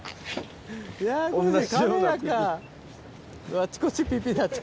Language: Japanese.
あちこちピピ鳴って。